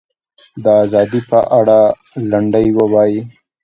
د ازادۍ په اړه لنډۍ ووایي.